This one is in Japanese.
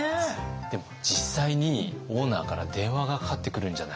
でも実際にオーナーから電話がかかってくるんじゃないか。